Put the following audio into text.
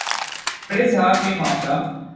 بڑے صاحب یہ معاملہ